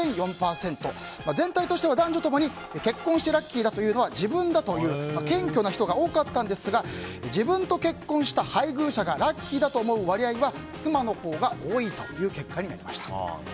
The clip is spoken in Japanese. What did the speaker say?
全体としては男女ともに結婚してラッキーだと思うのは自分だという謙虚な人が多かったんですが自分と結婚した配偶者がラッキーだと思う割合は妻のほうが多いという結果になりました。